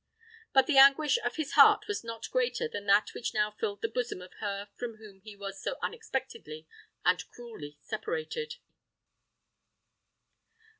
But the anguish of his heart was not greater than that which now filled the bosom of her from whom he was so unexpectedly and cruelly separated.